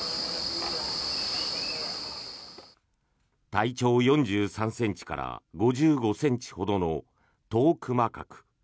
体長４３ｃｍから５５ｃｍほどのトークマカク。